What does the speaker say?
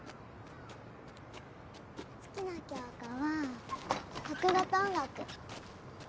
好きな教科は国語と音楽。